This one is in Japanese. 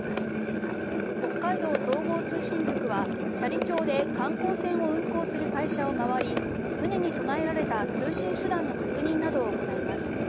北海道総合通信局は斜里町で観光船を運航する会社を回り船に備えられた通信手段の確認などを行います。